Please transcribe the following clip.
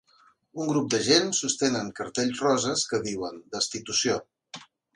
Un grup de gent sostenen cartells roses que diuen, Destitució.